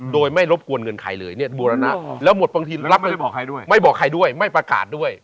โดยไม่รบกวนเงินใครเลยเนี่ยบูรณะแล้วหมดบางทีรับไม่ได้บอกใครด้วยไม่บอกใครด้วยไม่ประกาศด้วย